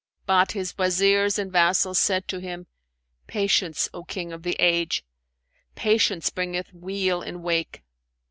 But his Wazirs and vassals said to him, 'Patience, O King of the age! Patience bringeth weal in wake.'